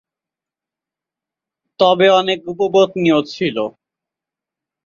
তবে অনেক উপপত্নী ও ছিল।